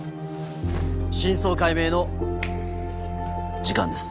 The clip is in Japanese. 真相解明の時間です。